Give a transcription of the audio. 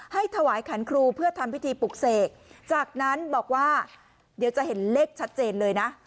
ถวายขันครูเพื่อทำพิธีปลุกเสกจากนั้นบอกว่าเดี๋ยวจะเห็นเลขชัดเจนเลยนะ